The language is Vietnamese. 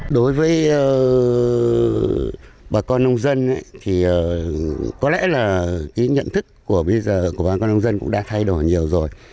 đối với bà con nông dân thì có lẽ là cái nhận thức của bà con nông dân cũng đã thay đổi nhiều rồi